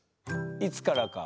いつからか。